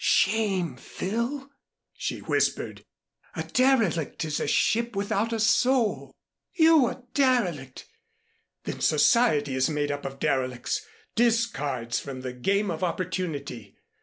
"Shame! Phil," she whispered. "A derelict is a ship without a soul. You a derelict! Then society is made up of derelicts, discards from the game of opportunity.